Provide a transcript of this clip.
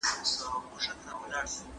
تاسو په دې اور کې ولې سوزېږئ؟